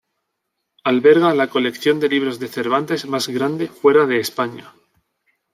Alberga la colección de libros de Cervantes más grande fuera de España.